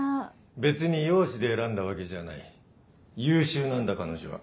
別に容姿で選んだわけじゃない優秀なんだ彼女は。